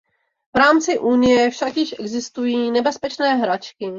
V rámci Unie však již existují nebezpečné hračky.